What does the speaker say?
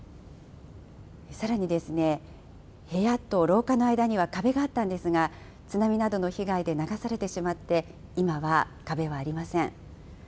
さらに、部屋と廊下の間には壁があったんですが、津波などの被害で流されてしまって、今は壁はありません。